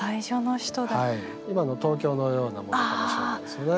今の東京のようなものかもしれないですね。